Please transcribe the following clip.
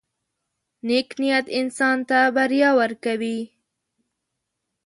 • نیک نیت انسان ته بریا ورکوي.